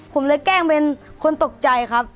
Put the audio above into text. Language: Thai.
ผมเลยแกล้งเป็นคนตกใจครับ